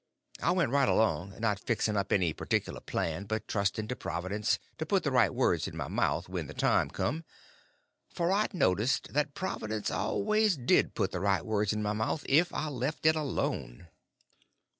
I went right along, not fixing up any particular plan, but just trusting to Providence to put the right words in my mouth when the time come; for I'd noticed that Providence always did put the right words in my mouth if I left it alone.